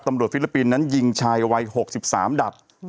ตำรวจฟิลิปปินนั้นยิงชายวัย๖๓ดับ